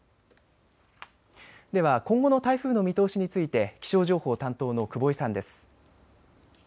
では今後の台風の見通しについて気象情報担当の久保井さんです。